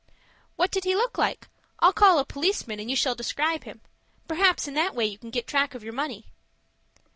"What did he look like? I'll call a policeman and you shall describe him. Perhaps in that way you can get track of your money."